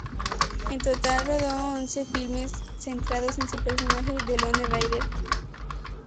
En total rodó once filmes centrados en su personaje, "The Lone Rider".